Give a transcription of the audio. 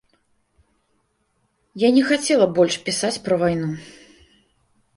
Я не хацела больш пісаць пра вайну.